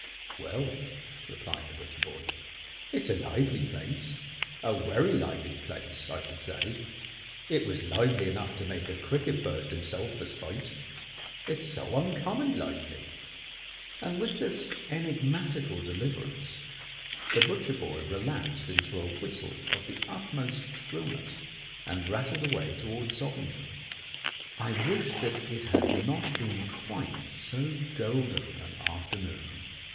"Well," replied the butcher boy; "it's a lively place, a werry lively place. I should say it was lively enough to make a cricket burst himself for spite: it's so uncommon lively." And with this enigmatical deliverance the butcher boy relapsed into a whistle of the utmost shrillness, and rattled away towards Sobbington. I wish that it had not been quite so golden an afternoon.